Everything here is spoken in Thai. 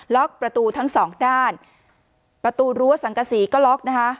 ล็อกประตูทั้งสองด้านประตูรั้วสังกษีก็ล็อกนะคะ